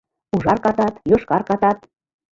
Ужар катат, йошкар катат